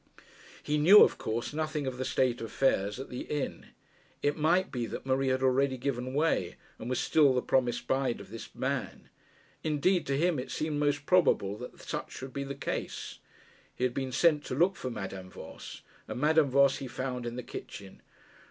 He knew of course nothing of the state of affairs at the inn. It might be that Marie had already given way, and was still the promised bride of this man. Indeed, to him it seemed most probable that such should be the case. He had been sent to look for Madame Voss, and Madame Voss he found in the kitchen.